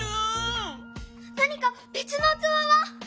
何かべつのうつわは？